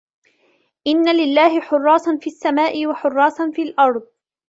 إنَّ لِلَّهِ حُرَّاسًا فِي السَّمَاءِ وَحُرَّاسًا فِي الْأَرْضِ